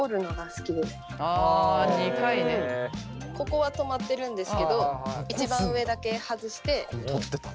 ここは留まってるんですけど一番上だけ外してやってます。